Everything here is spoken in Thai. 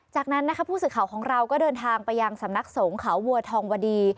จากนั้นนะคะผู้สื่อข่าวของเราก็เดินทางไปยังสำนักสงฆ์เขาวัวทองวดี